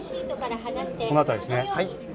このあたりですね。